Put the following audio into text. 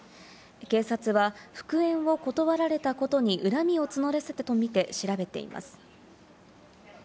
警察は復縁を断られたことに恨みを募らせたとみて調べています。